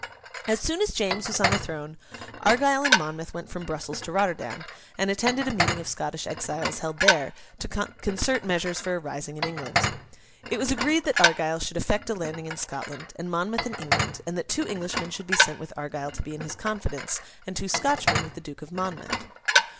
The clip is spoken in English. As soon as James was on the throne, Argyle and Monmouth went from Brussels to Rotterdam, and attended a meeting of Scottish exiles held there, to concert measures for a rising in England. It was agreed that Argyle should effect a landing in Scotland, and Monmouth in England; and that two Englishmen should be sent with Argyle to be in his confidence, and two Scotchmen with the Duke of Monmouth.